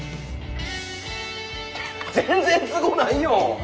全然すごないよ！